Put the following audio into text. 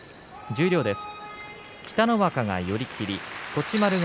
十両です。